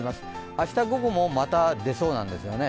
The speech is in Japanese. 明日午後もまた出そうなんですよね。